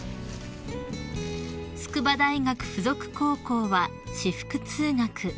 ［筑波大学附属高校は私服通学］